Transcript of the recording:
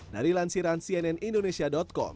dari lansiran cnn indonesia com